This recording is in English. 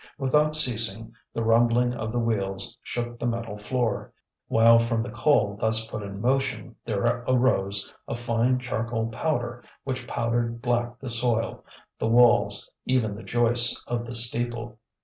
Without ceasing, the rumbling of the wheels shook the metal floor; while from the coal thus put in motion there arose a fine charcoal powder which powdered black the soil, the walls, even the joists of the steeple.